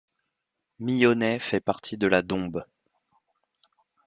Mionnay fait partie de la Dombes.